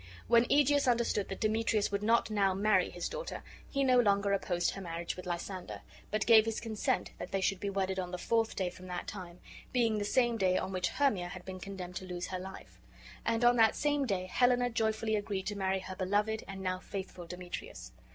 When Egeus understood that Demetrius would not now marry his daughter, he no longer opposed her marriage with Lysander, but gave his consent that they should be wedded on the fourth day from that time, being the same day on which Hermia had been condemned to lose her life; and on that same day Helena joyfully agreed to marry her beloved and now faithful Demetrius.